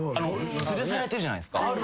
つるされてるじゃないですか。